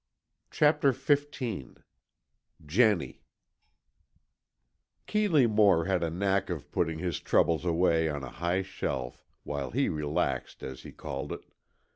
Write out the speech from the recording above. CHAPTER XV JENNIE Keeley Moore had a knack of putting his troubles away on a high shelf, while he relaxed, as he called it.